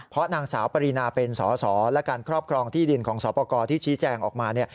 เพราะนางสาวปรินาเป็นสอสอและการครอบครองที่ดินของสอปกรที่ชี้แจงออกมา